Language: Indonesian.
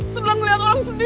sebelah ngeliat orang sendiri